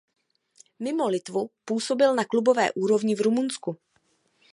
Mimo Litvu působil na klubové úrovni v Rumunsku.